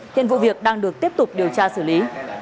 hiện vụ việc đang được tiếp tục điều tra xử lý